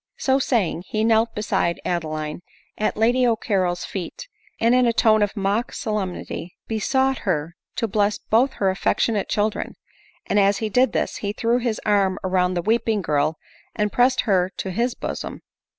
So saying, he knelt beside Adeline at Lady O'Carrol's feet, and in a tone of mock solemnity besought her to bless both her affectionate children ; and as he did this, he threw his arm round the weeping girl, and pressed her to his bosom.